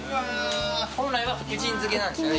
寨茲福神漬けなんですよね